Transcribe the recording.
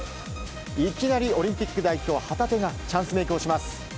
いきなりオリンピック代表旗手がチャンスメイクをします。